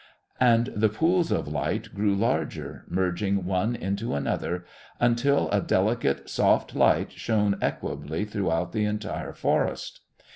And the pools of light grew larger, merging one into another, until a delicate soft light shone equably throughout the entire forest.